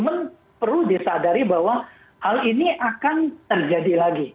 namun perlu disadari bahwa hal ini akan terjadi lagi